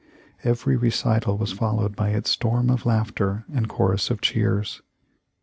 Every recital was followed by its "storm of laughter and chorus of cheers."